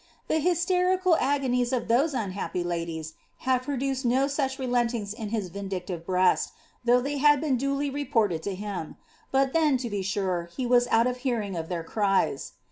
Tlie hysterical agonies of those unhappy ladies had produced no such relentings in his vindictive breast, though they had been duly reported to him ; but then, to be sure, he was out of hearing of their cries.